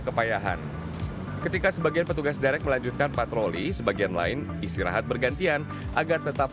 kepayahan ketika sebagian petugas derek melanjutkan patroli sebagian lain istirahat bergantian agar tetap